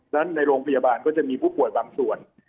ในโรงพยาบาลก็จะมีผู้ป่วยบางส่วน